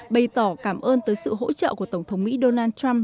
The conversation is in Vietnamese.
bày tỏ cảm ơn tới sự hỗ trợ của tổng thống mỹ donald trump